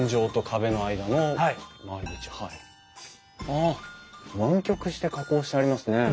ああ湾曲して加工してありますね。